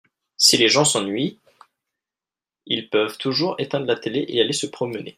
Si les gens s'ennuient ils peuvent toujours éteindre la téle et aller se promener.